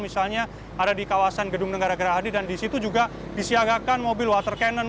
misalnya ada di kawasan gedung negara gerahadi dan di situ juga disiagakan mobil water cannon